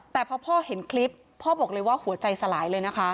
แต่พอพ่อเห็นคลิปพ่อบอกเลยว่าหัวใจสลายเลยนะคะ